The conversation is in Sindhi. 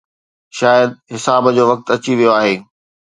شايد حساب جو وقت اچي ويو آهي.